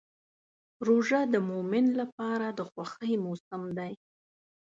روژه د مؤمن لپاره د خوښۍ موسم دی.